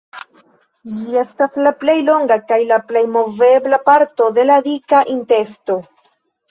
Ĝi estas la plej longa kaj la plej movebla parto de la dika intesto.